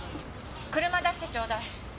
車出してちょうだい。